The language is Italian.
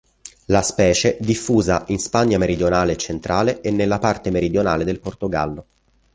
La specie diffusa in Spagna meridionale e centrale e nella parte meridionale del Portogallo.